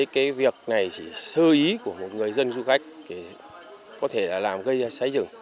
cái việc này chỉ sơ ý của một người dân du khách thì có thể làm gây ra cháy rừng